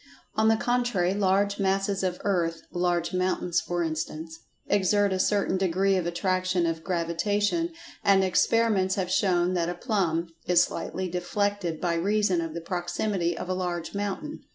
On the contrary, large masses of earth—large mountains, for instance—exert a certain degree of Attraction of Gravitation, and experiments have shown that a "plumb" is slightly deflected by reason of the proximity of a large mountain.